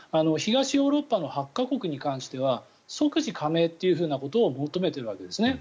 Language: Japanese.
東ヨーロッパの８か国に関しては即時加盟ということを求めているわけです。